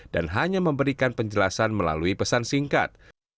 hanya memberikan penjelasan melalui pesan singkat